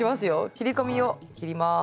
切り込みを切ります。